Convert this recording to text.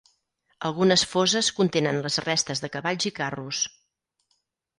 Algunes foses contenen les restes de cavalls i carros.